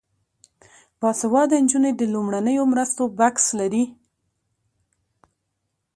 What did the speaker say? باسواده نجونې د لومړنیو مرستو بکس لري.